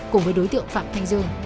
cùng với đối tượng phạm thanh dương